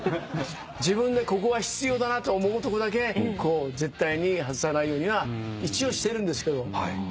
自分でここは必要だなと思うとこだけ絶対に外さないようには一応してるんですけど。